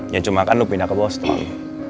yang cuman kan lu pindah ke boston